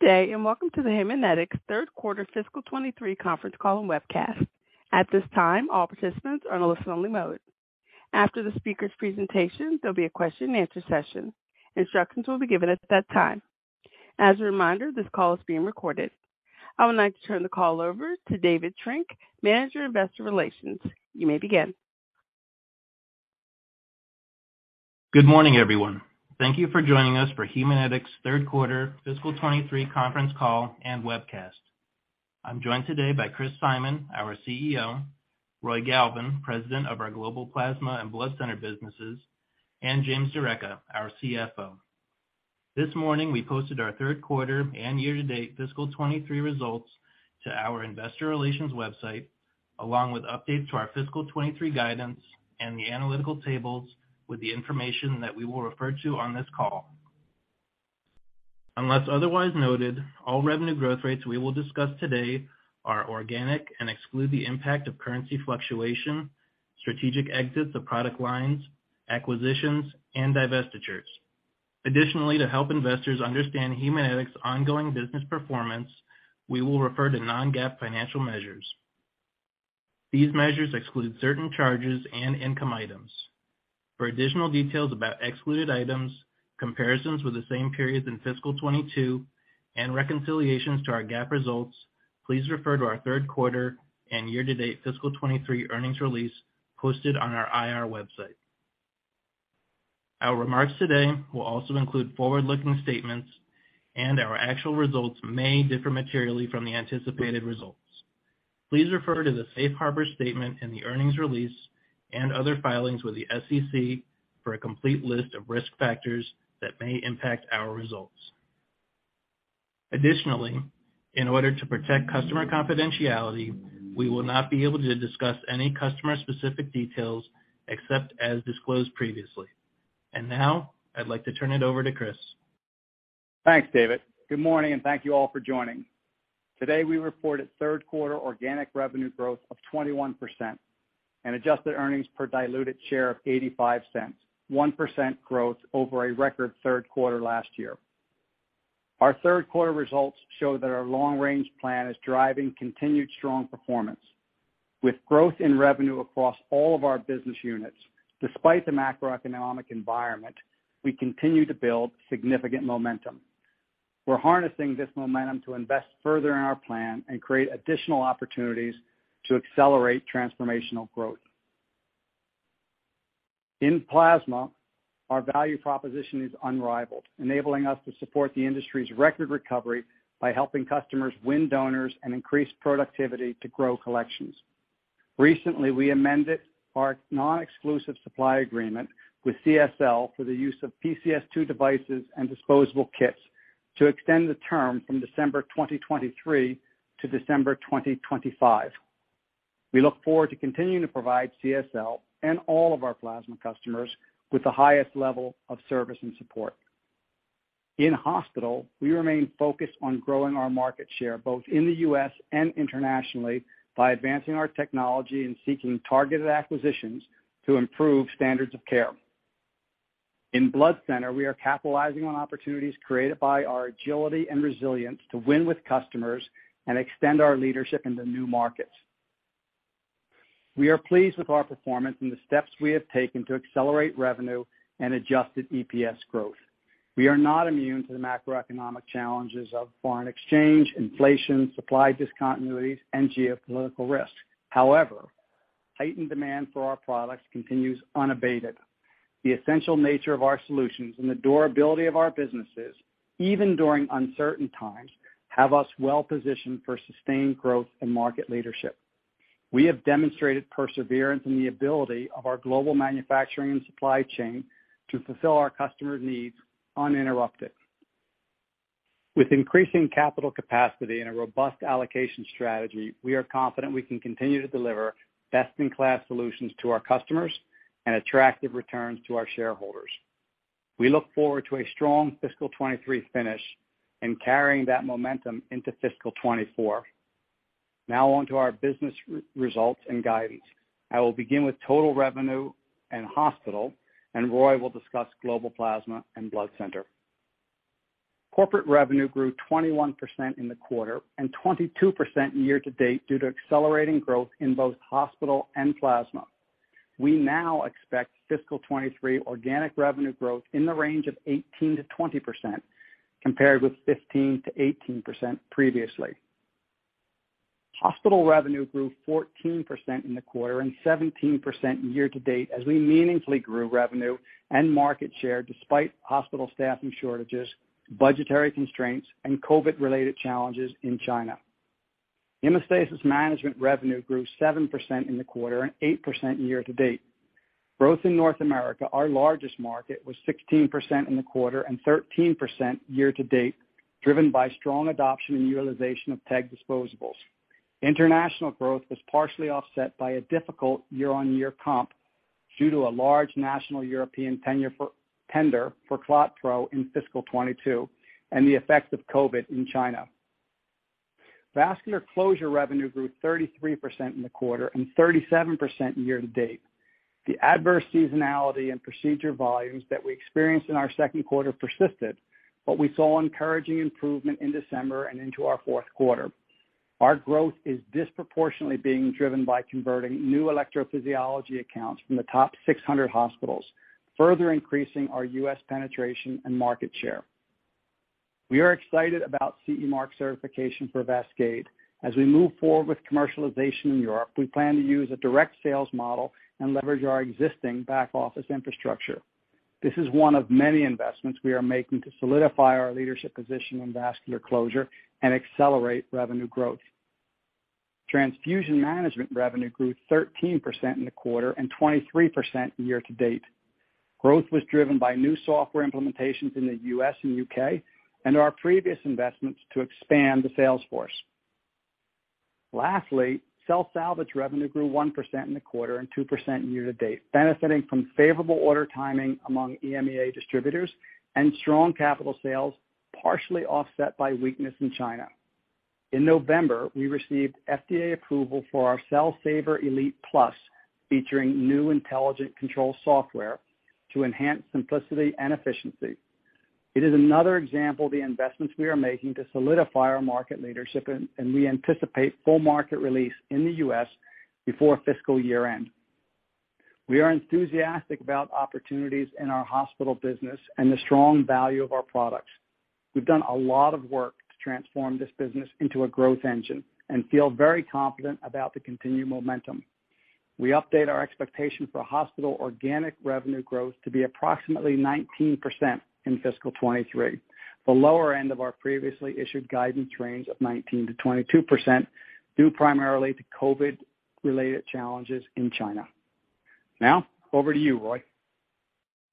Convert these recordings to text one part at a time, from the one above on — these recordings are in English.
Good day, welcome to the Haemonetics third quarter fiscal 2023 conference call and webcast. At this time, all participants are in a listen-only mode. After the speaker's presentation, there'll be a question-and-answer session. Instructions will be given at that time. As a reminder, this call is being recorded. I would like to turn the call over to David Trenk, Manager of Investor Relations. You may begin. Good morning, everyone. Thank you for joining us for Haemonetics third quarter fiscal 2023 conference call and webcast. I'm joined today by Chris Simon, our CEO, Roy Galvin, President of our Global Plasma and Blood Center businesses, and James D'areka, our CFO. This morning, we posted our third quarter and year-to-date fiscal 2023 results to our investor relations website, along with updates to our fiscal 2023 guidance and the analytical tables with the information that we will refer to on this call. Unless otherwise noted, all revenue growth rates we will discuss today are organic and exclude the impact of currency fluctuation, strategic exits of product lines, acquisitions, and divestitures. Additionally, to help investors understand Haemonetics ongoing business performance, we will refer to non-GAAP financial measures. These measures exclude certain charges and income items. For additional details about excluded items, comparisons with the same periods in fiscal 2022 and reconciliations to our GAAP results, please refer to our third quarter and year-to-date fiscal 2023 earnings release posted on our IR website. Our remarks today will also include forward-looking statements and our actual results may differ materially from the anticipated results. Please refer to the safe harbor statement in the earnings release and other filings with the SEC for a complete list of risk factors that may impact our results. Additionally, in order to protect customer confidentiality, we will not be able to discuss any customer-specific details except as disclosed previously. Now I'd like to turn it over to Chris. Thanks, David. Good morning. Thank you all for joining. Today, we reported third quarter organic revenue growth of 21% and adjusted EPS of $0.85, 1% growth over a record third quarter last year. Our third quarter results show that our long-range plan is driving continued strong performance. With growth in revenue across all of our business units despite the macroeconomic environment, we continue to build significant momentum. We're harnessing this momentum to invest further in our plan and create additional opportunities to accelerate transformational growth. In Plasma, our value proposition is unrivaled, enabling us to support the industry's record recovery by helping customers win donors and increase productivity to grow collections. Recently, we amended our non-exclusive supply agreement with CSL for the use of PCS2 devices and disposable kits to extend the term from December 2023 to December 2025. We look forward to continuing to provide CSL and all of our plasma customers with the highest level of service and support. In Hospital, we remain focused on growing our market share, both in the U.S. and internationally, by advancing our technology and seeking targeted acquisitions to improve standards of care. In Blood Center, we are capitalizing on opportunities created by our agility and resilience to win with customers and extend our leadership into new markets. We are pleased with our performance and the steps we have taken to accelerate revenue and adjusted EPS growth. We are not immune to the macroeconomic challenges of foreign exchange, inflation, supply discontinuities, and geopolitical risk. However, heightened demand for our products continues unabated. The essential nature of our solutions and the durability of our businesses, even during uncertain times, have us well positioned for sustained growth and market leadership. We have demonstrated perseverance in the ability of our global manufacturing and supply chain to fulfill our customers' needs uninterrupted. With increasing capital capacity and a robust allocation strategy, we are confident we can continue to deliver best-in-class solutions to our customers and attractive returns to our shareholders. We look forward to a strong fiscal 2023 finish and carrying that momentum into fiscal 2024. On to our business results and guidance. I will begin with total revenue and Hospital, Roy will discuss Global Plasma and Blood Center. Corporate revenue grew 21% in the quarter and 22% year to date due to accelerating growth in both Hospital and Plasma. We now expect fiscal 2023 organic revenue growth in the range of 18%-20%, compared with 15%-18% previously. Hospital revenue grew 14% in the quarter and 17% year to date as we meaningfully grew revenue and market share despite hospital staffing shortages, budgetary constraints, and COVID-related challenges in China. Hemostasis Management revenue grew 7% in the quarter and 8% year to date. Growth in North America, our largest market, was 16% in the quarter and 13% year to date, driven by strong adoption and utilization of TEG disposables. International growth was partially offset by a difficult year-on-year comp due to a large national European tender for ClotPro in fiscal 2022 and the effects of COVID in China. Vascular closure revenue grew 33% in the quarter and 37% year to date. The adverse seasonality and procedure volumes that we experienced in our second quarter persisted, but we saw encouraging improvement in December and into our fourth quarter. Our growth is disproportionately being driven by converting new electrophysiology accounts from the top 600 hospitals, further increasing our U.S. penetration and market share. We are excited about CE mark certification for VASCADE. As we move forward with commercialization in Europe, we plan to use a direct sales model and leverage our existing back-office infrastructure. This is one of many investments we are making to solidify our leadership position in vascular closure and accelerate revenue growth. Transfusion management revenue grew 13% in the quarter and 23% year-to-date. Growth was driven by new software implementations in the U.S. and U.K. and our previous investments to expand the sales force. Lastly, cell salvage revenue grew 1% in the quarter and 2% year-to-date, benefiting from favorable order timing among EMEA distributors and strong capital sales, partially offset by weakness in China. In November, we received FDA approval for our Cell Saver Elite+, featuring new intelligent control software to enhance simplicity and efficiency. It is another example of the investments we are making to solidify our market leadership, and we anticipate full market release in the U.S. before fiscal year-end. We are enthusiastic about opportunities in our hospital business and the strong value of our products. We've done a lot of work to transform this business into a growth engine and feel very confident about the continued momentum. We update our expectation for hospital organic revenue growth to be approximately 19% in fiscal 2023. The lower end of our previously issued guidance range of 19%-22%, due primarily to COVID-related challenges in China. Over to you, Roy.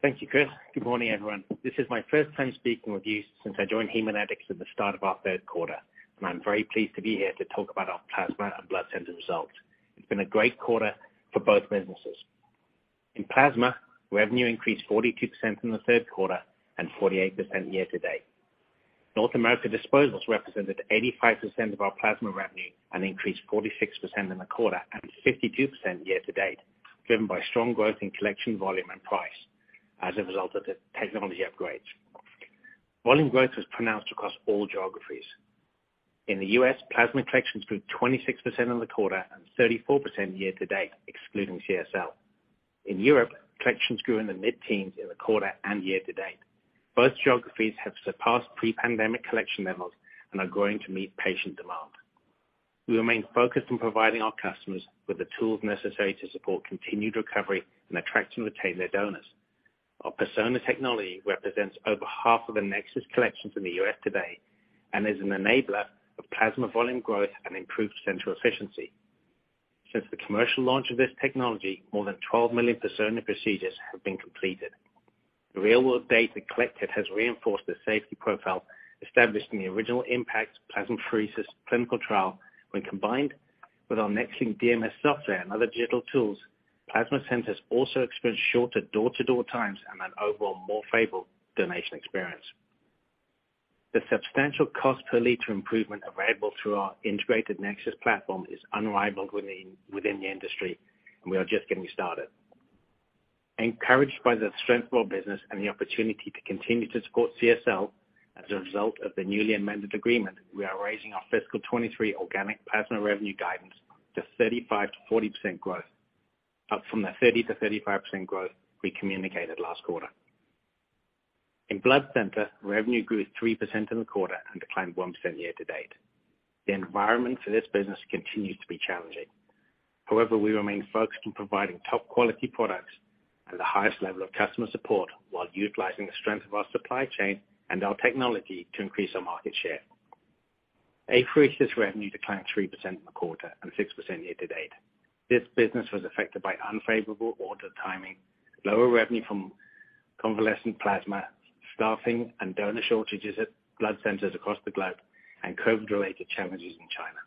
Thank you, Chris. Good morning, everyone. This is my first time speaking with you since I joined Haemonetics at the start of our third quarter, and I'm very pleased to be here to talk about our Plasma and Blood Center results. It's been a great quarter for both businesses. In Plasma, revenue increased 42% in the third quarter and 48% year to date. North America disposables represented 85% of our plasma revenue and increased 46% in the quarter and 52% year to date, driven by strong growth in collection volume and price as a result of the technology upgrades. Volume growth was pronounced across all geographies. In the U.S., Plasma collections grew 26% in the quarter and 34% year to date, excluding CSL. In Europe, collections grew in the mid-teens in the quarter and year to date. Both geographies have surpassed pre-pandemic collection levels and are going to meet patient demand. We remain focused on providing our customers with the tools necessary to support continued recovery and attraction of retained donors. Our Persona technology represents over half of the NexSys collections in the U.S. today and is an enabler of Plasma volume growth and improved central efficiency. Since the commercial launch of this technology, more than 12 million Persona procedures have been completed. The real-world data collected has reinforced the safety profile established in the original IMPACT Plasmapheresis clinical trial when combined with our NexLynk DMS software and other digital tools, plasma centers also experience shorter door-to-door times and an overall more favorable donation experience. The substantial cost per liter improvement available through our integrated NexSys platform is unrivaled within the industry, and we are just getting started. Encouraged by the strength of our business and the opportunity to continue to support CSL as a result of the newly amended agreement, we are raising our fiscal 2023 organic plasma revenue guidance to 35%-40% growth, up from the 30%-35% growth we communicated last quarter. In Blood Center, revenue grew 3% in the quarter and declined 1% year-to-date. The environment for this business continues to be challenging. We remain focused on providing top quality products at the highest level of customer support while utilizing the strength of our supply chain and our technology to increase our market share. Apheresis revenue declined 3% in the quarter and 6% year-to-date. This business was affected by unfavorable order timing, lower revenue from convalescent plasma, staffing and donor shortages at blood centers across the globe and COVID-related challenges in China.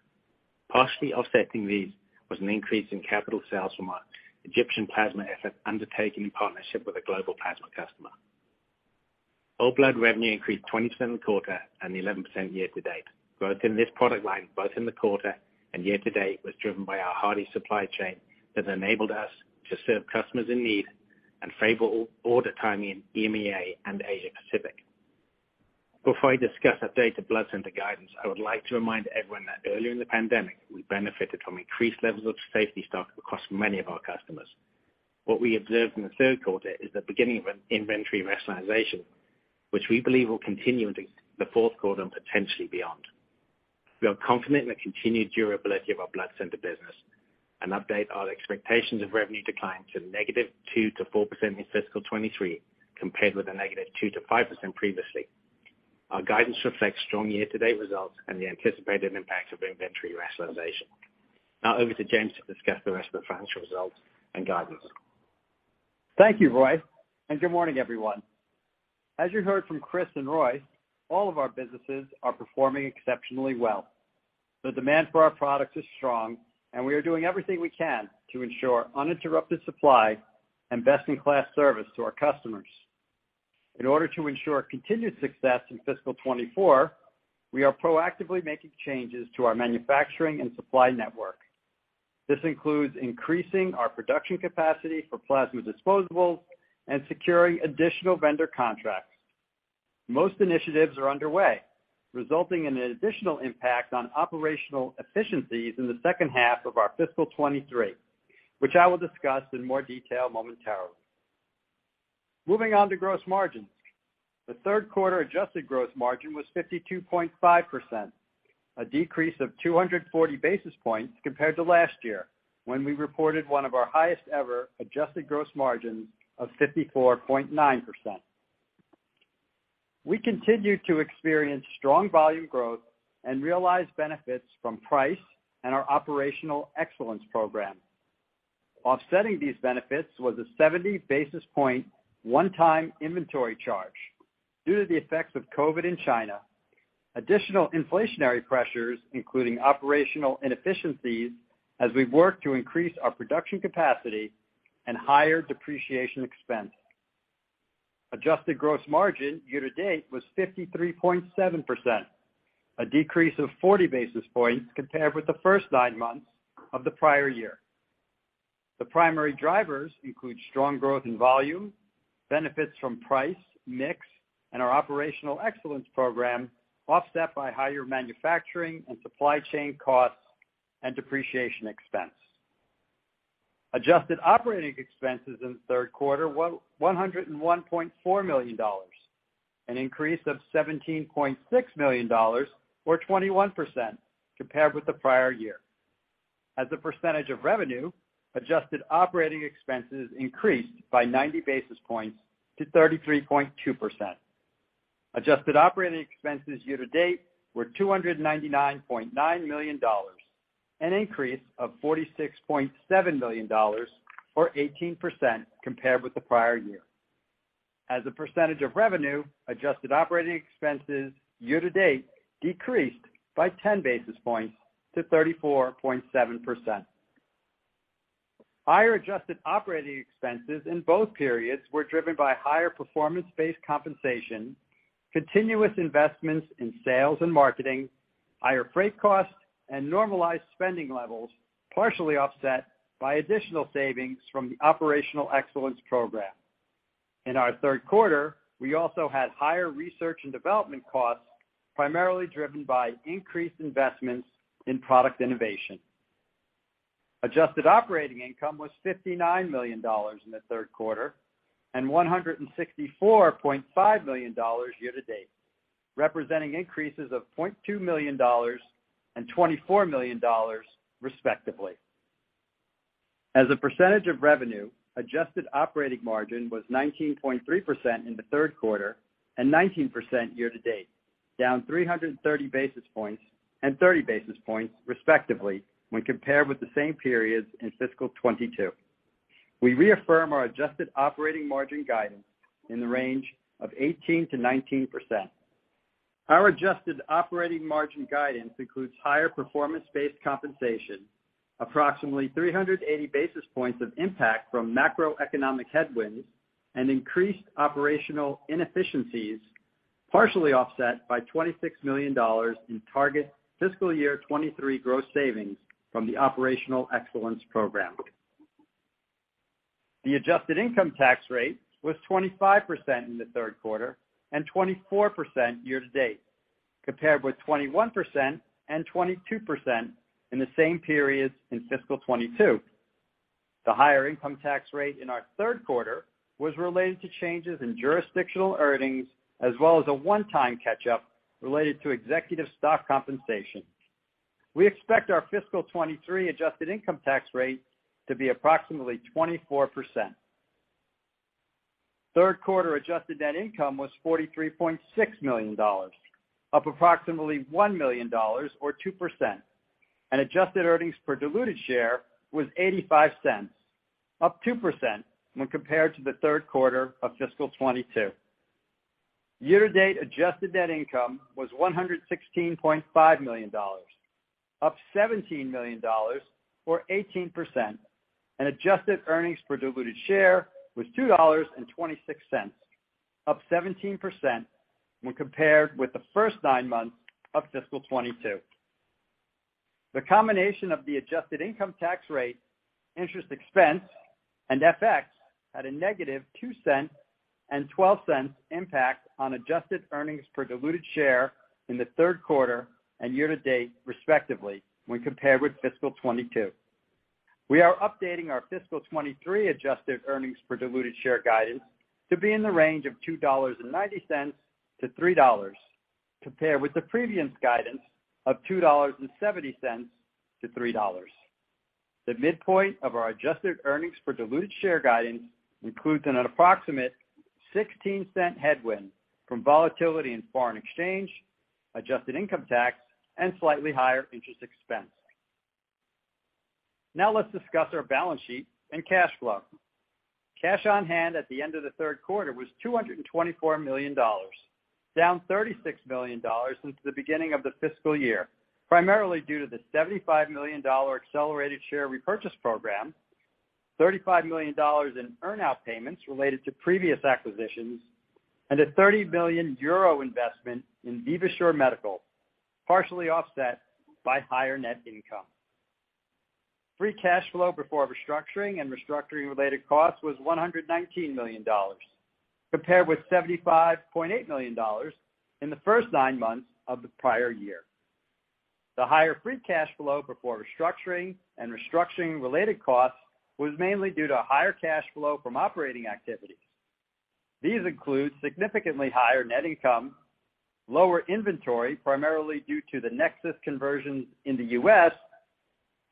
Partially offsetting these was an increase in capital sales from our Egyptian plasma effort undertaken in partnership with a global plasma customer. Whole blood revenue increased 27% quarter and 11% year to date. Growth in this product line, both in the quarter and year to date, was driven by our hardy supply chain that enabled us to serve customers in need and favorable order timing in EMEA and Asia Pacific. Before I discuss updated blood center guidance, I would like to remind everyone that earlier in the pandemic, we benefited from increased levels of safety stock across many of our customers. What we observed in the third quarter is the beginning of an inventory rationalization, which we believe will continue into the fourth quarter and potentially beyond. We are confident in the continued durability of our blood center business and update our expectations of revenue decline to -2% to -4% in fiscal 2023, compared with the -2% to -5% previously. Our guidance reflects strong year-to-date results and the anticipated impact of inventory rationalization. Now over to James to discuss the rest of the financial results and guidance. Thank you, Roy, and good morning, everyone. As you heard from Chris and Roy, all of our businesses are performing exceptionally well. The demand for our products is strong, and we are doing everything we can to ensure uninterrupted supply and best-in-class service to our customers. In order to ensure continued success in fiscal 2024, we are proactively making changes to our manufacturing and supply network. This includes increasing our production capacity for plasma disposables and securing additional vendor contracts. Most initiatives are underway, resulting in an additional impact on operational efficiencies in the second half of our fiscal 2023, which I will discuss in more detail momentarily. Moving on to gross margins. The third quarter adjusted gross margin was 52.5%, a decrease of 240 basis points compared to last year, when we reported one of our highest ever adjusted gross margins of 54.9%. We continued to experience strong volume growth and realized benefits from price and our Operational Excellence Program. Offsetting these benefits was a 70 basis point one-time inventory charge due to the effects of COVID in China, additional inflationary pressures, including operational inefficiencies as we work to increase our production capacity and higher depreciation expense. Adjusted gross margin year-to-date was 53.7%, a decrease of 40 basis points compared with the first nine months of the prior year. The primary drivers include strong growth in volume, benefits from price, mix, and our Operational Excellence Program, offset by higher manufacturing and supply chain costs and depreciation expense. Adjusted operating expenses in the third quarter were $101.4 million, an increase of $17.6 million or 21% compared with the prior year. As a percentage of revenue, adjusted operating expenses increased by 90 basis points to 33.2%. Adjusted operating expenses year-to-date were $299.9 million, an increase of $46.7 million or 18% compared with the prior year. As a percentage of revenue, adjusted operating expenses year-to-date decreased by 10 basis points to 34.7%. Higher adjusted operating expenses in both periods were driven by higher performance-based compensation, continuous investments in sales and marketing, higher freight costs, and normalized spending levels, partially offset by additional savings from the Operational Excellence Program. In our third quarter, we also had higher research and development costs, primarily driven by increased investments in product innovation. Adjusted operating income was $59 million in the third quarter and $164.5 million year-to-date, representing increases of $0.2 million and $24 million, respectively. As a percentage of revenue, adjusted operating margin was 19.3% in the third quarter and 19% year-to-date, down 330 basis points and 30 basis points, respectively, when compared with the same periods in fiscal 2022. We reaffirm our adjusted operating margin guidance in the range of 18%-19%. Our adjusted operating margin guidance includes higher performance-based compensation, approximately 380 basis points of impact from macroeconomic headwinds and increased operational inefficiencies, partially offset by $26 million in target fiscal year 2023 gross savings from the Operational Excellence Program. The adjusted income tax rate was 25% in the third quarter and 24% year-to-date, compared with 21% and 22% in the same periods in fiscal 2022. The higher income tax rate in our third quarter was related to changes in jurisdictional earnings as well as a one-time catch-up related to executive stock compensation. We expect our fiscal 2023 adjusted income tax rate to be approximately 24%. Third quarter adjusted net income was $43.6 million, up approximately $1 million or 2%, and adjusted earnings per diluted share was $0.85, up 2% when compared to the third quarter of fiscal 2022. Year-to-date adjusted net income was $116.5 million, up $17 million or 18%, and adjusted earnings per diluted share was $2.26, up 17% when compared with the first nine months of fiscal 2022. The combination of the adjusted income tax rate, interest expense, and FX had a -$0.02 and $0.12 impact on adjusted earnings per diluted share in the third quarter and year-to-date, respectively, when compared with fiscal 2022. We are updating our fiscal 2023 adjusted earnings per diluted share guidance to be in the range of $2.90-$3.00, compared with the previous guidance of $2.70-$3.00. The midpoint of our adjusted earnings per diluted share guidance includes an approximate $0.16 headwind from volatility in foreign exchange, adjusted income tax, and slightly higher interest expense. Now let's discuss our balance sheet and cash flow. Cash on hand at the end of the third quarter was $224 million. Down $36 million since the beginning of the fiscal year, primarily due to the $75 million accelerated share repurchase program, $35 million in earn-out payments related to previous acquisitions, and a 30 million euro investment in Vivasure Medical, partially offset by higher net income. Free cash flow before restructuring and restructuring-related costs was $119 million, compared with $75.8 million in the first 9 months of the prior year. The higher free cash flow before restructuring and restructuring-related costs was mainly due to higher cash flow from operating activities. These include significantly higher net income, lower inventory, primarily due to the NexSys conversions in the U.S.,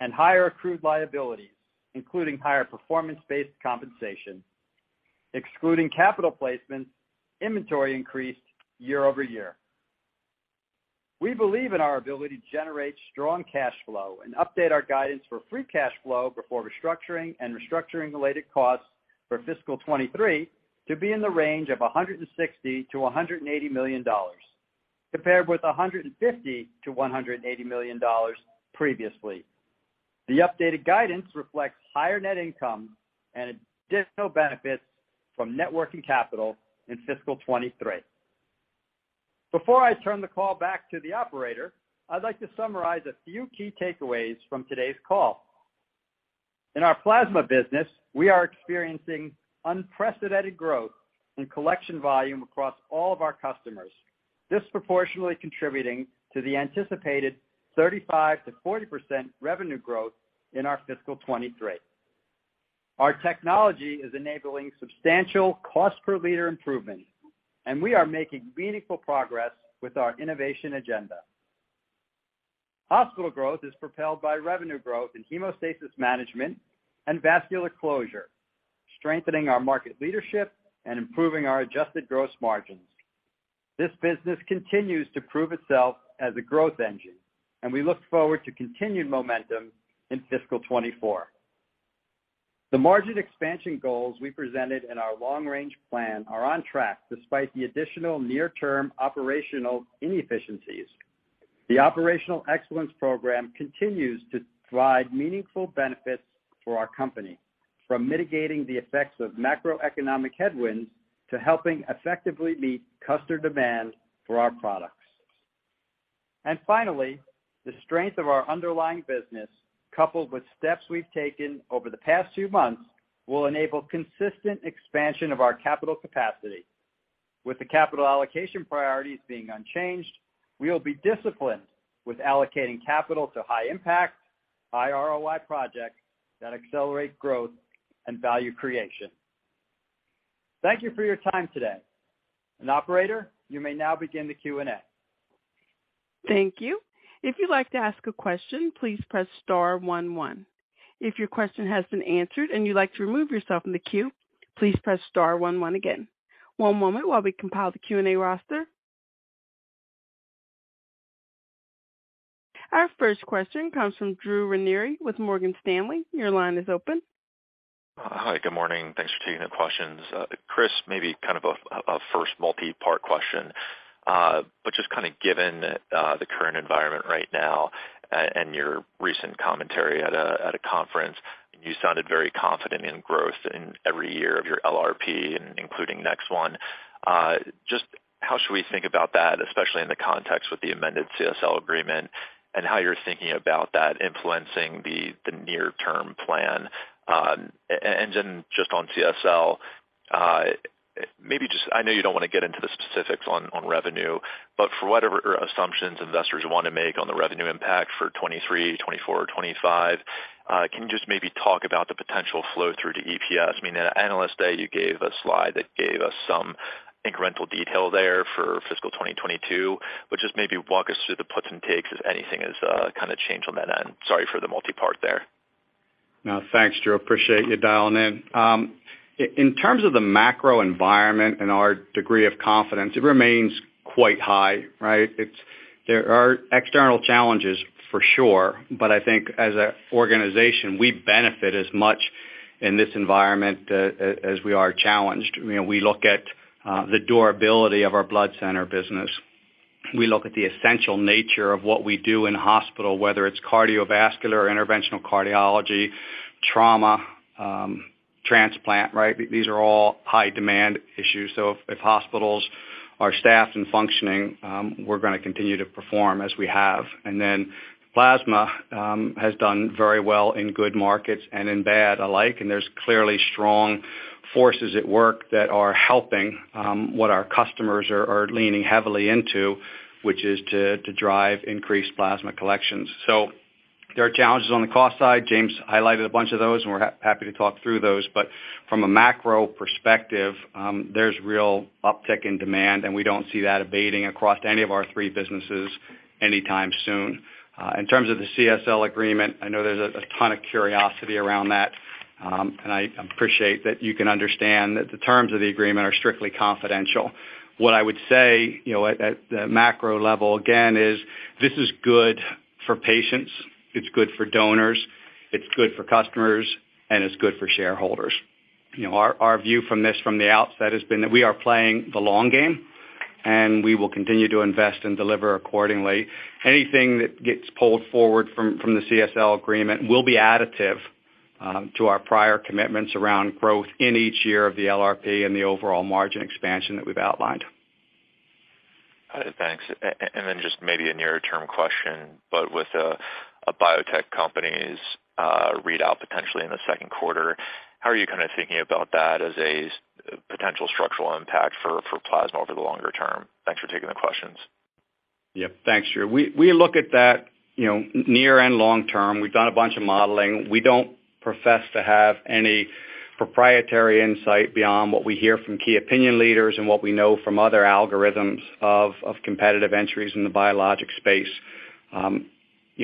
and higher accrued liabilities, including higher performance-based compensation. Excluding capital placements, inventory increased year-over-year. We believe in our ability to generate strong cash flow and update our guidance for free cash flow before restructuring and restructuring-related costs for fiscal 2023 to be in the range of $160 million-$180 million, compared with $150 million-$180 million previously. The updated guidance reflects higher net income and additional benefits from net working capital in fiscal 2023. Before I turn the call back to the operator, I'd like to summarize a few key takeaways from today's call. In our Plasma business, we are experiencing unprecedented growth in collection volume across all of our customers, disproportionately contributing to the anticipated 35%-40% revenue growth in our fiscal 2023. Our technology is enabling substantial cost per liter improvement, and we are making meaningful progress with our innovation agenda. Hospital growth is propelled by revenue growth in hemostasis management and vascular closure, strengthening our market leadership and improving our adjusted gross margins. This business continues to prove itself as a growth engine, and we look forward to continued momentum in fiscal 2024. The margin expansion goals we presented in our long-range plan are on track despite the additional near-term operational inefficiencies. The Operational Excellence Program continues to provide meaningful benefits for our company, from mitigating the effects of macroeconomic headwinds to helping effectively meet customer demand for our products. Finally, the strength of our underlying business, coupled with steps we've taken over the past few months, will enable consistent expansion of our capital capacity. With the capital allocation priorities being unchanged, we will be disciplined with allocating capital to high-impact, high ROI projects that accelerate growth and value creation. Thank you for your time today. Operator, you may now begin the Q&A. Thank you. If you'd like to ask a question, please press star one one. If your question has been answered and you'd like to remove yourself from the queue, please press star one one again. One moment while we compile the Q&A roster. Our first question comes from Drew Ranieri with Morgan Stanley. Your line is open. Hi. Good morning. Thanks for taking the questions. Chris, maybe kind of a first multi-part question. Just kind of given the current environment right now and your recent commentary at a conference, and you sounded very confident in growth in every year of your LRP, including next one. Just how should we think about that, especially in the context with the amended CSL agreement, and how you're thinking about that influencing the near-term plan? Then just on CSL, maybe just I know you don't wanna get into the specifics on revenue, but for whatever assumptions investors wanna make on the revenue impact for 2023, 2024 or 2025, can you just maybe talk about the potential flow through to EPS? I mean, at Analyst Day, you gave a slide that gave us some incremental detail there for fiscal 2022, but just maybe walk us through the puts and takes if anything is, kind of changed on that end. Sorry for the multi-part there. No, thanks, Drew. Appreciate you dialing in. In terms of the macro environment and our degree of confidence, it remains quite high, right? There are external challenges, for sure, but I think as a organization, we benefit as much in this environment as we are challenged. You know, we look at the durability of our blood center business. We look at the essential nature of what we do in a hospital, whether it's cardiovascular or interventional cardiology, trauma, transplant, right? These are all high-demand issues. If hospitals are staffed and functioning, we're gonna continue to perform as we have. Plasma has done very well in good markets and in bad alike, and there's clearly strong forces at work that are helping what our customers are leaning heavily into, which is to drive increased plasma collections. There are challenges on the cost side. James highlighted a bunch of those, and we're happy to talk through those. From a macro perspective, there's real uptick in demand, and we don't see that abating across any of our three businesses anytime soon. In terms of the CSL agreement, I know there's a ton of curiosity around that, and I appreciate that you can understand that the terms of the agreement are strictly confidential. What I would say, you know, at the macro level, again, is this is good for patients, it's good for donors, it's good for customers, and it's good for shareholders. You know, our view from the outset has been that we are playing the long game, and we will continue to invest and deliver accordingly. Anything that gets pulled forward from the CSL agreement will be additive to our prior commitments around growth in each year of the LRP and the overall margin expansion that we've outlined. Thanks. Just maybe a near-term question, but with a biotech company's readout potentially in the second quarter, how are you kind of thinking about that as a potential structural impact for Plasma over the longer term? Thanks for taking the questions. Yep. Thanks, Drew. We look at that, you know, near and long term. We've done a bunch of modeling. We don't profess to have any proprietary insight beyond what we hear from key opinion leaders and what we know from other algorithms of competitive entries in the biologic space. You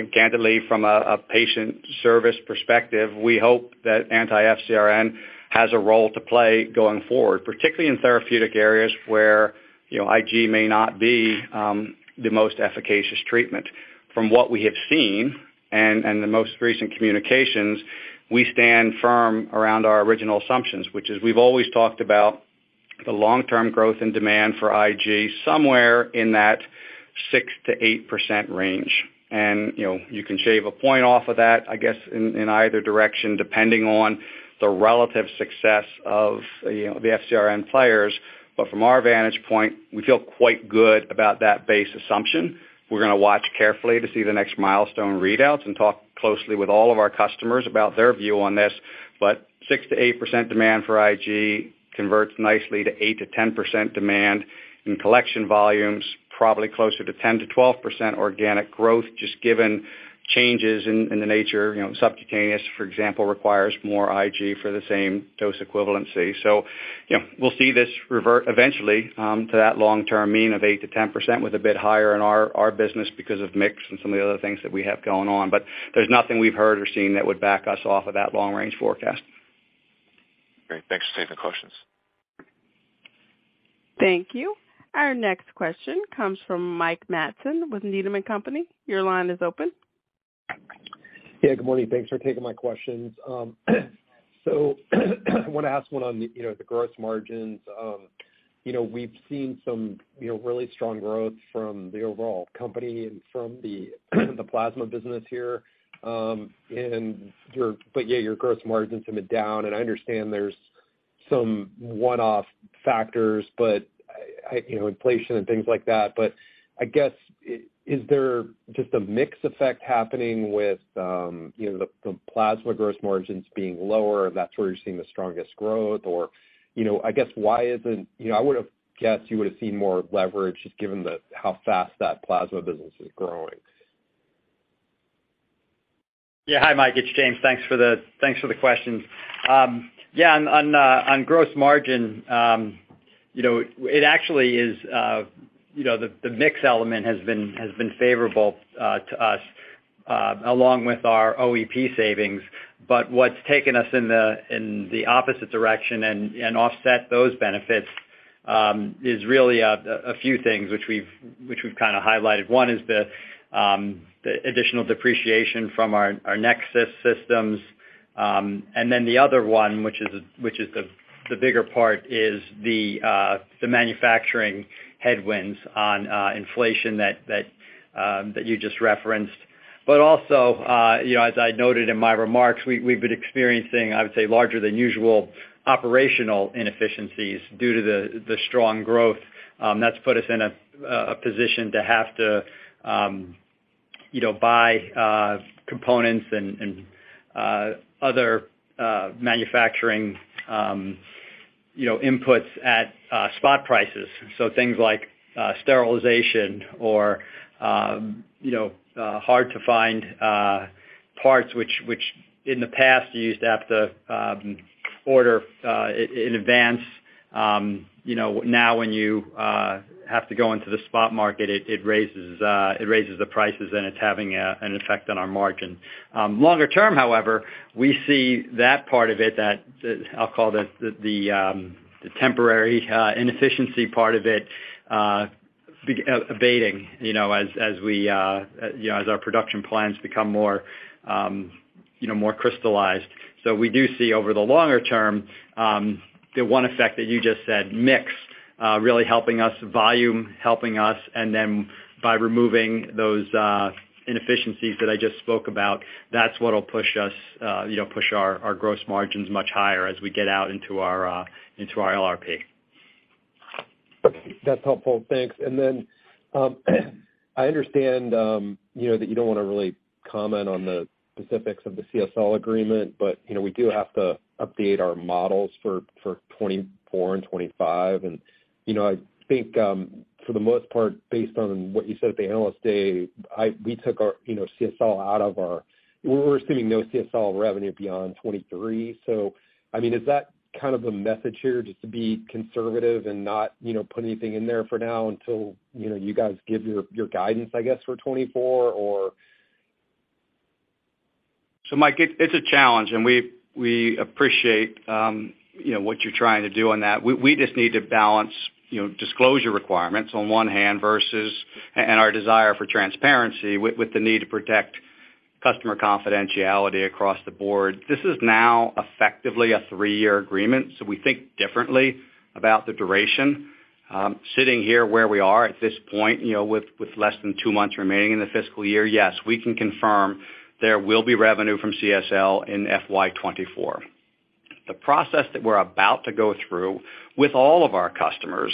know, candidly, from a patient service perspective, we hope that anti-FcRn has a role to play going forward, particularly in therapeutic areas where, you know, IG may not be the most efficacious treatment. From what we have seen and the most recent communications, we stand firm around our original assumptions, which is we've always talked about the long-term growth and demand for IG somewhere in that 6%-8% range. You know, you can shave a point off of that, I guess, in either direction, depending on the relative success of, you know, the FcRn players. From our vantage point, we feel quite good about that base assumption. We're gonna watch carefully to see the next milestone readouts and talk closely with all of our customers about their view on this. 6%-8% demand for IG converts nicely to 8%-10% demand in collection volumes, probably closer to 10%-12% organic growth, just given changes in the nature, you know, subcutaneous, for example, requires more IG for the same dose equivalency. You know, we'll see this revert eventually to that long-term mean of 8%-10% with a bit higher in our business because of mix and some of the other things that we have going on. There's nothing we've heard or seen that would back us off of that long range forecast. Great. Thanks for taking the questions. Thank you. Our next question comes from Mike Matson with Needham & Company. Your line is open. Yeah, good morning. Thanks for taking my questions. Want to ask one on the, you know, the gross margins. You know, we've seen some, you know, really strong growth from the overall company and from the plasma business here, and yet your gross margins have been down, and I understand there's some one-off factors, but I, you know, inflation and things like that. I guess, is there just a mix effect happening with, you know, the plasma gross margins being lower, that's where you're seeing the strongest growth? You know, I guess why isn't, you know, I would have guessed you would have seen more leverage just given the, how fast that Plasma business is growing? Yeah. Hi, Mike, it's James. Thanks for the questions. Yeah, on gross margin, you know, it actually is, you know, the mix element has been favorable to us along with our OEP savings. What's taken us in the opposite direction and offset those benefits is really a few things which we've kind of highlighted. One is the additional depreciation from our NexSys systems. And then the other one, which is the bigger part, is the manufacturing headwinds on inflation that you just referenced. Also, you know, as I noted in my remarks, we've been experiencing, I would say, larger than usual operational inefficiencies due to the strong growth, that's put us in a position to have to, you know, buy components and other manufacturing, you know, inputs at spot prices. Things like sterilization or, you know, hard to find parts which in the past you used to have to order in advance, you know, now when you have to go into the spot market, it raises the prices, and it's having an effect on our margin. Longer term, however, we see that part of it that I'll call the temporary inefficiency part of it be abating, you know, as we, you know, as our production plans become more, you know, more crystallized. We do see over the longer term, the one effect that you just said, mix really helping us, volume helping us, and then by removing those inefficiencies that I just spoke about, that's what'll push us, you know, push our gross margins much higher as we get out into our LRP. Okay. That's helpful. Thanks. I understand, you know, that you don't wanna really comment on the specifics of the CSL agreement, but, you know, we do have to update our models for 2024 and 2025. You know, I think, for the most part, based on what you said at the Analyst Day, we took our, you know, CSL out of our... We're assuming no CSL revenue beyond 2023. I mean, is that kind of the message here, just to be conservative and not, you know, put anything in there for now until, you know, you guys give your guidance, I guess, for 2024 or? Mike, it's a challenge, and we appreciate, you know, what you're trying to do on that. We just need to balance, you know, disclosure requirements on one hand versus, and our desire for transparency with the need to protect customer confidentiality across the board. This is now effectively a 3-year agreement, we think differently about the duration. Sitting here where we are at this point, you know, with less than 2 months remaining in the fiscal year, yes, we can confirm there will be revenue from CSL in FY 2024. The process that we're about to go through with all of our customers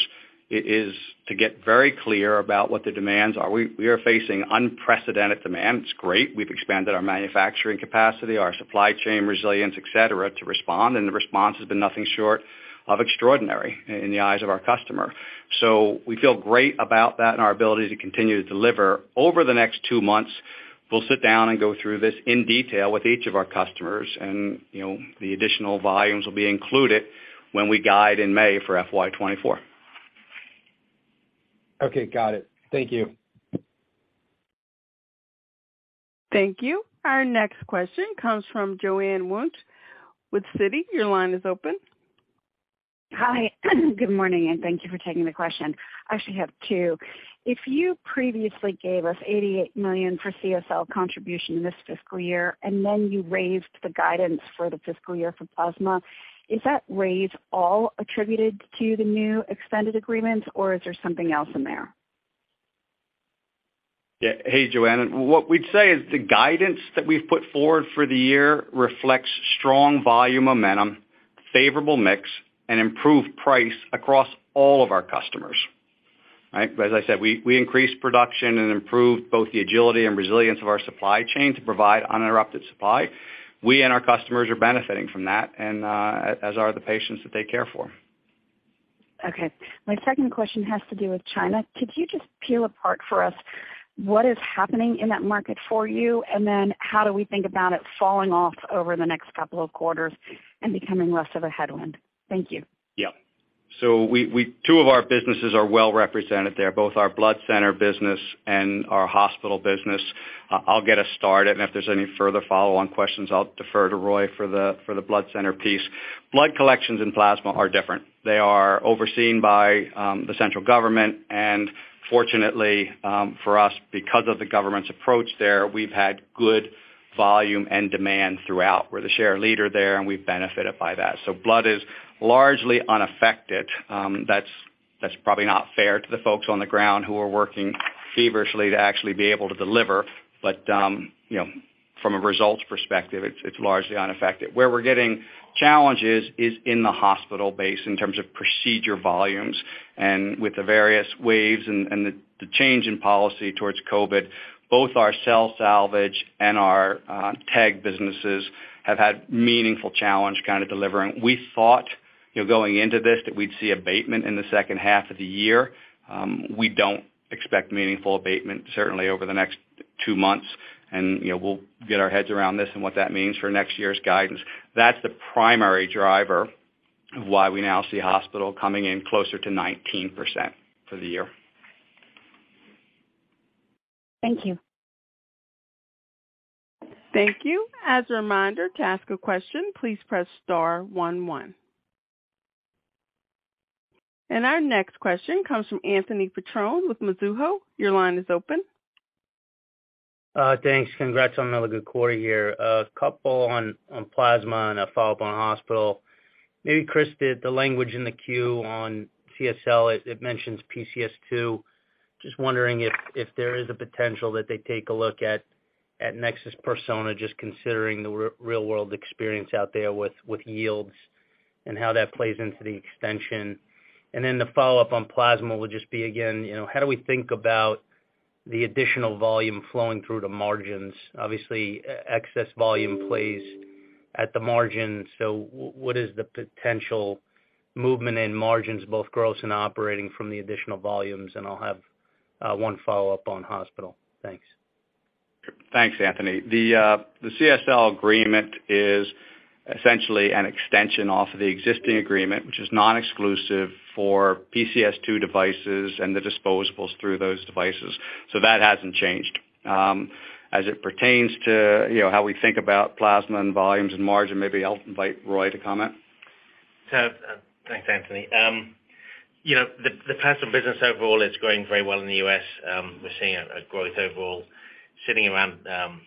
is to get very clear about what the demands are. We are facing unprecedented demand. It's great. We've expanded our manufacturing capacity, our supply chain resilience, et cetera, to respond. The response has been nothing short of extraordinary in the eyes of our customer. We feel great about that and our ability to continue to deliver. Over the next two months, we'll sit down and go through this in detail with each of our customers. You know, the additional volumes will be included when we guide in May for FY 2024. Okay. Got it. Thank you. Thank you. Our next question comes from Joanne Wuensch with Citi. Your line is open. Hi. Good morning, and thank you for taking the question. I actually have two. If you previously gave us $88 million for CSL contribution this fiscal year, and then you raised the guidance for the fiscal year for plasma, is that raise all attributed to the new extended agreements, or is there something else in there? Hey, Joanne. What we'd say is the guidance that we've put forward for the year reflects strong volume momentum, favorable mix, and improved price across all of our customers. Right? As I said, we increased production and improved both the agility and resilience of our supply chain to provide uninterrupted supply. We and our customers are benefiting from that and as are the patients that they care for. Okay. My second question has to do with China. Could you just peel apart for us what is happening in that market for you, and then how do we think about it falling off over the next couple of quarters and becoming less of a headwind? Thank you. Yeah. We two of our businesses are well-represented there, both our blood center business and our hospital business. I'll get us started, and if there's any further follow-on questions, I'll defer to Roy for the, for the blood center piece. Blood collections and plasma are different. They are overseen by the central government, and fortunately, for us, because of the government's approach there, we've had good volume and demand throughout. We're the share leader there, and we've benefited by that. Blood is largely unaffected. That's probably not fair to the folks on the ground who are working feverishly to actually be able to deliver. You know, from a results perspective, it's largely unaffected. Where we're getting challenges is in the hospital base in terms of procedure volumes. With the various waves and the change in policy towards COVID, both our cell salvage and our TEG businesses have had meaningful challenge kind of delivering. We thought, you know, going into this, that we'd see abatement in the second half of the year. We don't expect meaningful abatement certainly over the next two months. You know, we'll get our heads around this and what that means for next year's guidance. That's the primary driver of why we now see hospital coming in closer to 19% for the year. Thank you. Thank you. As a reminder, to ask a question, please press star one one. Our next question comes from Anthony Petrone with Mizuho. Your line is open. Thanks. Congrats on another good quarter here. A couple on plasma and a follow-up on hospital. Maybe Chris, the language in the queue on CSL, it mentions PCS2. Just wondering if there is a potential that they take a look at NexSys Persona, just considering the real-world experience out there with yields and how that plays into the extension. The follow-up on plasma would just be, again, you know, how do we think about the additional volume flowing through to margins? Obviously, excess volume plays at the margin. What is the potential movement in margins, both gross and operating from the additional volumes? I'll have one follow-up on hospital. Thanks. Thanks, Anthony. The CSL agreement is essentially an extension off of the existing agreement, which is non-exclusive for PCS2 devices and the disposables through those devices. That hasn't changed. As it pertains to, you know, how we think about plasma and volumes and margin, maybe I'll invite Roy to comment. Thanks, Anthony. You know, the plasma business overall is growing very well in the U.S. We're seeing a growth overall sitting around 46%.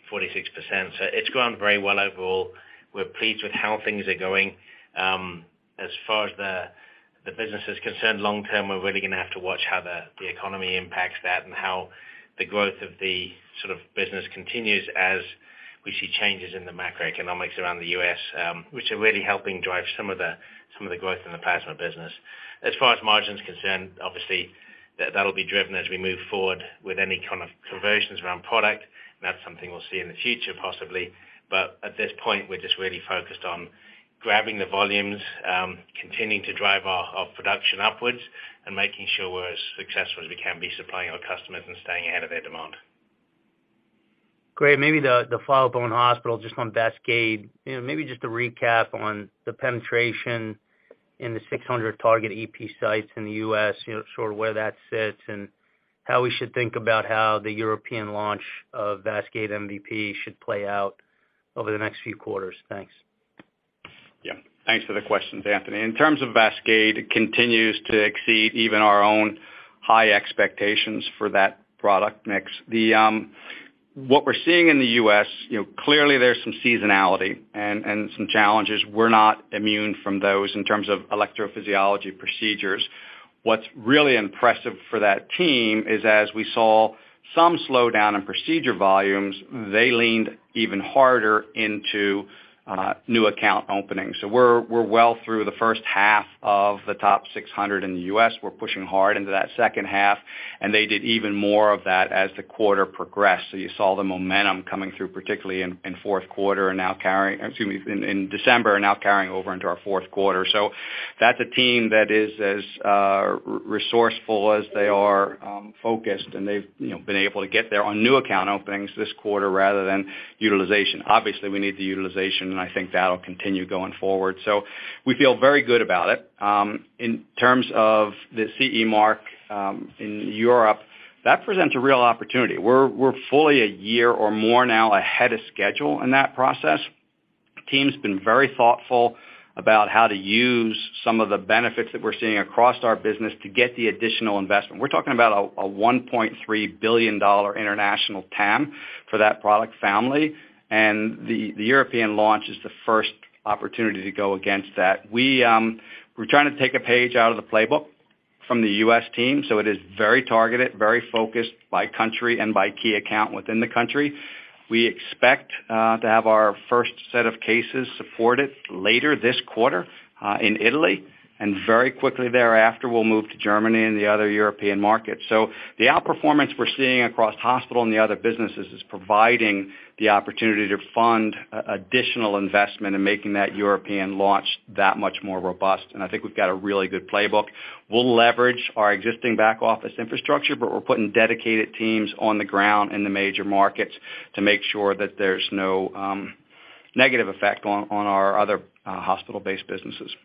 It's grown very well overall. We're pleased with how things are going. As far as the business is concerned, long term, we're really going to have to watch how the economy impacts that and how the growth of the sort of business continues as we see changes in the macroeconomics around the U.S., which are really helping drive some of the growth in the plasma business. As far as margin's concerned, obviously, that'll be driven as we move forward with any kind of conversions around product. That's something we'll see in the future, possibly. At this point, we're just really focused on grabbing the volumes, continuing to drive our production upwards and making sure we're as successful as we can be supplying our customers and staying ahead of their demand. Great. Maybe the follow-up on hospital, just on VASCADE. You know, maybe just a recap on the penetration in the 600 target EP sites in the U.S., you know, sort of where that sits and how we should think about how the European launch of VASCADE MVP should play out over the next few quarters. Thanks. Yeah. Thanks for the question, Anthony. In terms of VASCADE, it continues to exceed even our own high expectations for that product mix. What we're seeing in the U.S., you know, clearly there's some seasonality and some challenges. We're not immune from those in terms of electrophysiology procedures. What's really impressive for that team is, as we saw some slowdown in procedure volumes, they leaned even harder into new account openings. We're well through the first half of the top 600 in the U.S. We're pushing hard into that second half, and they did even more of that as the quarter progressed. You saw the momentum coming through, particularly in fourth quarter. Excuse me, in December, and now carrying over into our fourth quarter. That's a team that is as resourceful as they are focused, and they've, you know, been able to get there on new account openings this quarter rather than utilization. Obviously, we need the utilization, and I think that'll continue going forward. We feel very good about it. In terms of the CE mark, in Europe, that presents a real opportunity. We're fully a year or more now ahead of schedule in that process. Team's been very thoughtful about how to use some of the benefits that we're seeing across our business to get the additional investment. We're talking about a $1.3 billion international TAM for that product family, and the European launch is the first opportunity to go against that. We, we're trying to take a page out of the playbook from the U.S. team, so it is very targeted, very focused by country and by key account within the country. We expect to have our first set of cases supported later this quarter in Italy. Very quickly thereafter, we'll move to Germany and the other European markets. The outperformance we're seeing across hospital and the other businesses is providing the opportunity to fund additional investment in making that European launch that much more robust, and I think we've got a really good playbook. We'll leverage our existing back-office infrastructure, but we're putting dedicated teams on the ground in the major markets to make sure that there's no negative effect on our other hospital-based businesses.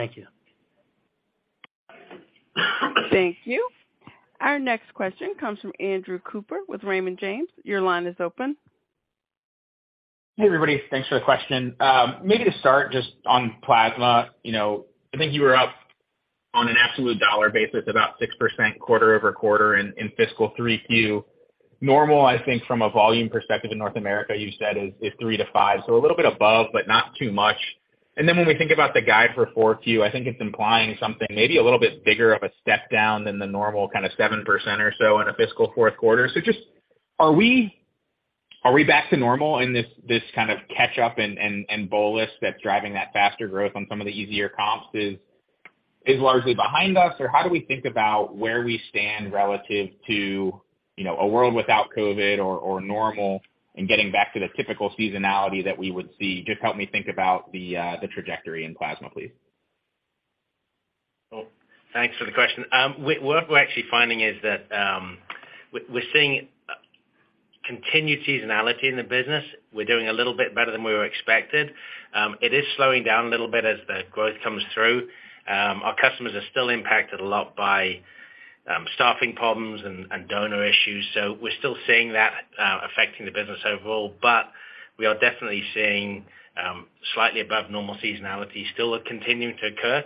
Thank you. Thank you. Our next question comes from Andrew Cooper with Raymond James. Your line is open. Hey, everybody. Thanks for the question. Maybe to start just on plasma. You know, I think you were up on an absolute dollar basis about 6% quarter-over-quarter in fiscal 3Q. Normal, I think from a volume perspective in North America, you said is 3-5, so a little bit above, but not too much. When we think about the guide for 4Q, I think it's implying something maybe a little bit bigger of a step down than the normal kind of 7% or so in a fiscal fourth quarter. Just are we back to normal in this kind of catch-up and bolus that's driving that faster growth on some of the easier comps is largely behind us? How do we think about where we stand relative to, you know, a world without COVID or normal and getting back to the typical seasonality that we would see? Just help me think about the trajectory in plasma, please. Well, thanks for the question. What we're actually finding is that we're seeing continued seasonality in the business. We're doing a little bit better than we were expected. It is slowing down a little bit as the growth comes through. Our customers are still impacted a lot by staffing problems and donor issues, so we're still seeing that affecting the business overall. We are definitely seeing slightly above normal seasonality still continuing to occur,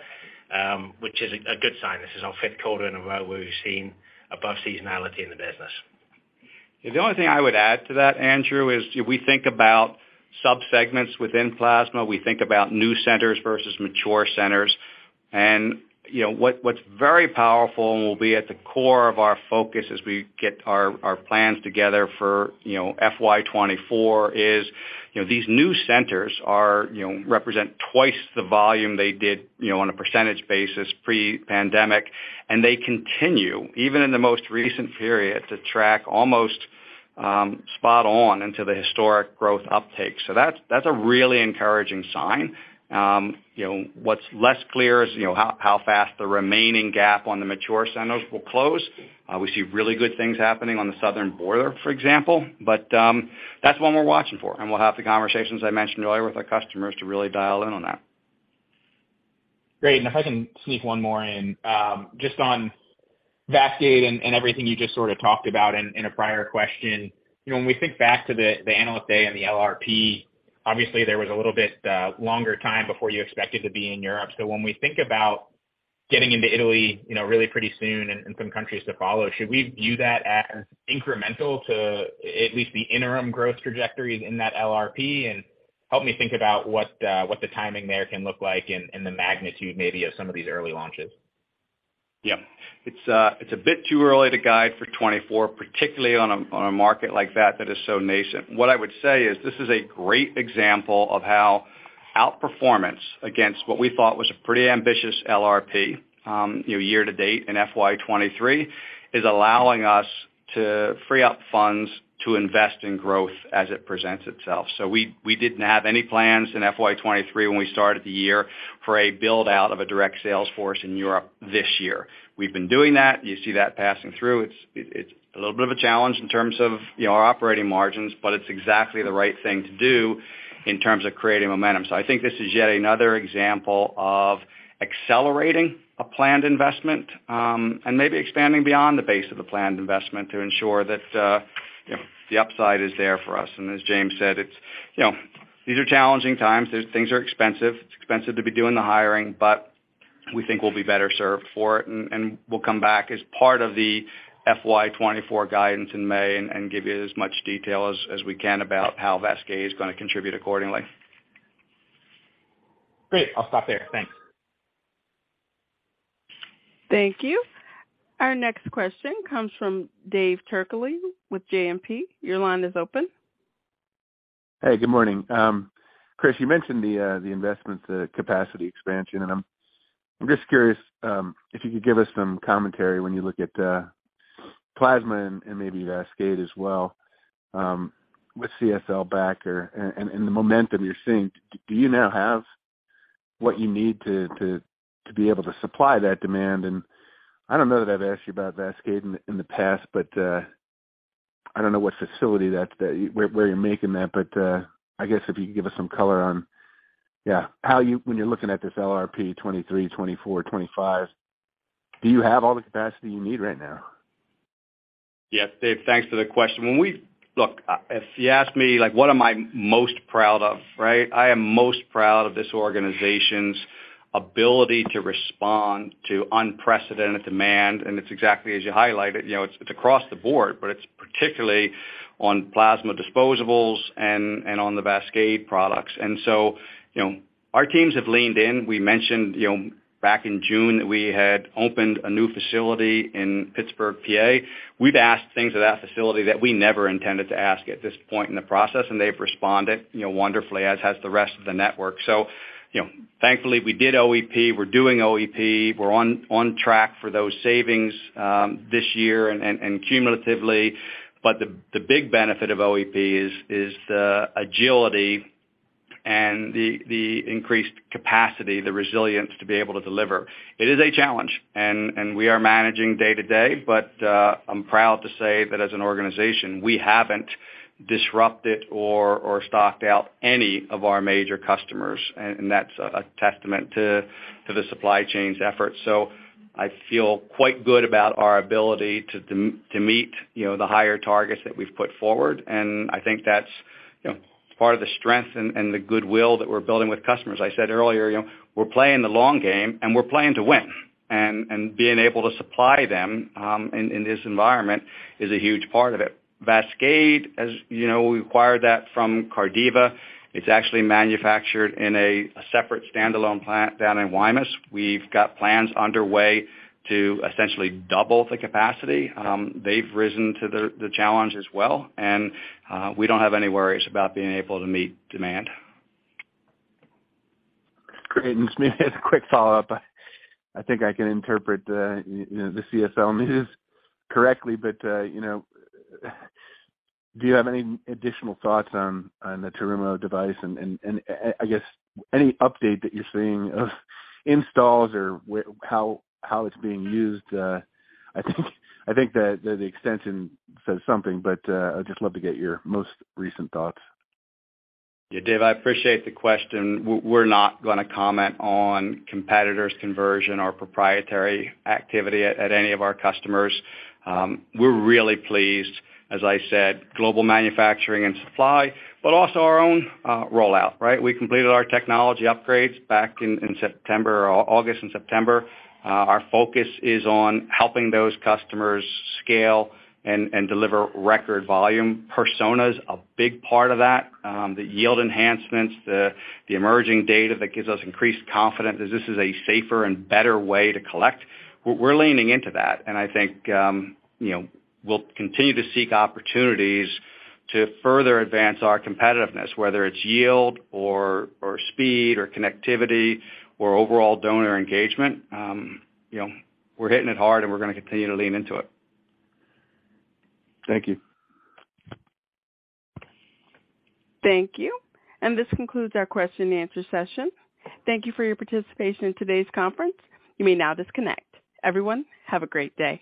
which is a good sign. This is our fifth quarter in a row where we've seen above seasonality in the business. The only thing I would add to that, Andrew, is we think about subsegments within Plasma. We think about new centers versus mature centers. You know, what's very powerful and will be at the core of our focus as we get our plans together for, you know, FY 2024 is, you know, these new centers are, you know, represent twice the volume they did, you know, on a percentage basis pre-pandemic. They continue, even in the most recent period, to track almost spot on into the historic growth uptake. That's a really encouraging sign. You know, what's less clear is, you know, how fast the remaining gap on the mature centers will close. We see really good things happening on the southern border, for example. That's one we're watching for, and we'll have the conversations I mentioned earlier with our customers to really dial in on that. Great. If I can sneak one more in, just on VASCADE and everything you just sort of talked about in a prior question. You know, when we think back to the Analyst Day and the LRP, obviously there was a little bit longer time before you expected to be in Europe. When we think about getting into Italy, you know, really pretty soon and some countries to follow, should we view that as incremental to at least the interim growth trajectories in that LRP? Help me think about what the timing there can look like and the magnitude maybe of some of these early launches. Yeah. It's a bit too early to guide for 2024, particularly on a market like that is so nascent. What I would say is this is a great example of how outperformance against what we thought was a pretty ambitious LRP, you know, year to date in FY 2023, is allowing us to free up funds to invest in growth as it presents itself. We didn't have any plans in FY 2023 when we started the year for a build-out of a direct sales force in Europe this year. We've been doing that. You see that passing through. It's a little bit of a challenge in terms of, you know, our operating margins. It's exactly the right thing to do in terms of creating momentum. I think this is yet another example of accelerating a planned investment, and maybe expanding beyond the base of the planned investment to ensure that, you know, the upside is there for us. As James said, it's, you know, these are challenging times. These things are expensive. It's expensive to be doing the hiring. We think we'll be better served for it, and we'll come back as part of the FY 2024 guidance in May and give you as much detail as we can about how VASCADE is gonna contribute accordingly. Great. I'll stop there. Thanks. Thank you. Our next question comes from Dave Turkaly with JMP. Your line is open. Hey, good morning. Chris, you mentioned the investments at capacity expansion, and I'm just curious, if you could give us some commentary when you look at plasma and maybe VASCADE as well, with CSL back or... and the momentum you're seeing, do you now have what you need to be able to supply that demand? I don't know that I've asked you about VASCADE in the past, but, I don't know what facility that's where you're making that, but, I guess, if you could give us some color on, yeah, how you when you're looking at this LRP 2023, 2024, 2025, do you have all the capacity you need right now? Yeah. Dave, thanks for the question. Look, if you ask me, like, what am I most proud of, right? I am most proud of this organization's ability to respond to unprecedented demand, and it's exactly as you highlighted. You know, it's across the board, but it's particularly on plasma disposables and on the VASCADE products. You know, our teams have leaned in. We mentioned, you know, back in June that we had opened a new facility in Pittsburgh, PA. We've asked things of that facility that we never intended to ask at this point in the process, and they've responded, you know, wonderfully, as has the rest of the network. You know, thankfully, we did OEP. We're doing OEP. We're on track for those savings this year and cumulatively. The big benefit of OEP is the agility and the increased capacity, the resilience to be able to deliver. It is a challenge and we are managing day to day, but I'm proud to say that as an organization, we haven't disrupted or stocked out any of our major customers, and that's a testament to the supply chain's efforts. I feel quite good about our ability to meet, you know, the higher targets that we've put forward. I think that's, you know, part of the strength and the goodwill that we're building with customers. I said earlier, you know, we're playing the long game, and we're playing to win. Being able to supply them in this environment is a huge part of it. VASCADE, as you know, we acquired that from Cardiva. It's actually manufactured in a separate standalone plant down in Wyomissing. We've got plans underway to essentially double the capacity. They've risen to the challenge as well, and we don't have any worries about being able to meet demand. Great. Just maybe a quick follow-up. I think I can interpret, you know, the CSL news correctly, but, you know, do you have any additional thoughts on the Terumo device and, I guess any update that you're seeing of installs or how it's being used? I think the extension says something, but, I'd just love to get your most recent thoughts. Yeah. Dave, I appreciate the question. We're not gonna comment on competitors' conversion or proprietary activity at any of our customers. We're really pleased, as I said, global manufacturing and supply, but also our own rollout, right? We completed our technology upgrades back in September or August and September. Our focus is on helping those customers scale and deliver record volume. Persona's a big part of that. The yield enhancements, the emerging data that gives us increased confidence that this is a safer and better way to collect. We're leaning into that, and I think, you know, we'll continue to seek opportunities to further advance our competitiveness, whether it's yield or speed or connectivity or overall donor engagement. You know, we're hitting it hard, and we're gonna continue to lean into it. Thank you. Thank you. This concludes our question and answer session. Thank you for your participation in today's conference. You may now disconnect. Everyone, have a great day.